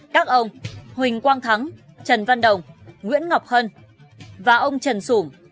các ông huỳnh quang thắng trần văn đồng nguyễn ngọc hân và ông trần sủng